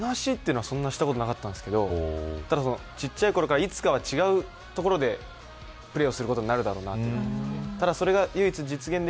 話というのは、そんなにしたことがなかったんですけど小さいころからいつかは違う所でプレーをすることになるだろうなと。